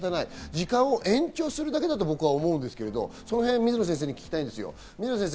時間を延長するだけだと僕は思うんですけど、水野先生に聞きたいと思います。